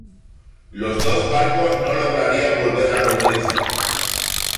Los dos barcos no lograrían volver a reunirse.